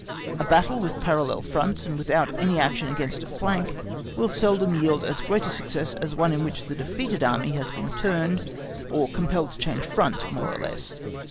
A battle with parallel fronts and without any action against a flank will seldom yield as great success as one in which the defeated Army has been turned, or compelled to change front more or less.